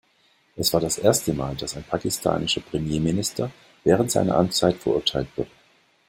Es war das erste Mal, dass ein pakistanischer Premierminister während seiner Amtszeit verurteilt wurde.